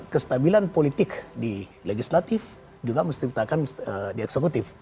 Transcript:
kestabilan politik di legislatif juga mesti diakseputif